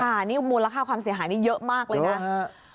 อันนี้มูลค่าความเสียหายนี่เยอะมากเลยนะ